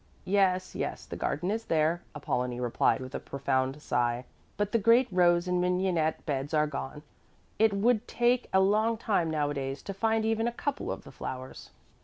"Yes, yes, the garden is there," Apollonie replied with a profound sigh, "but the great rose and mignonette beds are gone. It would take a long time nowadays to find even a couple of the flowers."